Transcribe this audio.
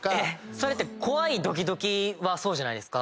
それって怖いドキドキはそうじゃないですか？